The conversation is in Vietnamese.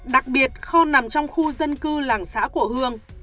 đặc biệt kho nằm trong khu dân cư làng xã của hương